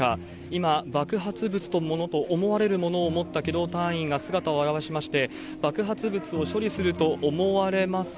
今、爆発物と思われるものを持った機動隊員が姿を現しまして、爆発物を処理すると思われます